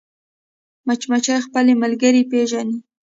مچمچۍ خپلې ملګرې پېژني